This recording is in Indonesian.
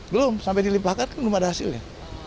belum sampai dilimpahkan kan belum ada hasilnya